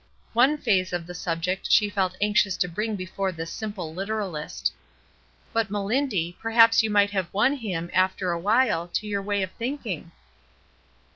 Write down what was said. One phase of the subject she felt anxious to bring before this simple literalist. "But, Melindy, perhaps you might have won him, after a while, to your way of thinking."